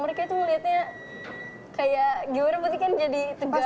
mereka itu ngelihatnya kayak gimana putri kan jadi tegang